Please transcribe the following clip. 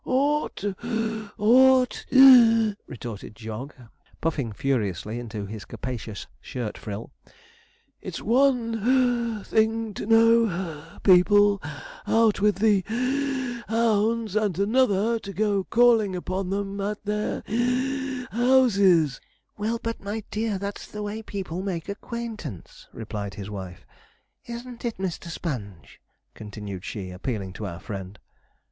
'Ought (puff) ought (wheeze),' retorted Jog, puffing furiously into his capacious shirt frill. 'It's one (puff) thing to know (puff) people out with the (wheeze) hounds, and another to go calling upon them at their houses.' 'Well, but, my dear, that's the way people make acquaintance,' replied his wife. 'Isn't it, Mr. Sponge?' continued she, appealing to our friend.